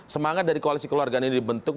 semangat dari koalisi keluarga ini dibentuk